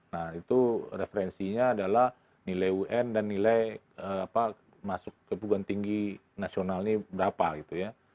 nah itu referensinya adalah nilai un dan nilai masuk ke puguan tinggi nasionalnya berapa gitu ya